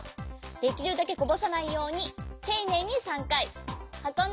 できるだけこぼさないようにていねいに３かいはこんでみよう。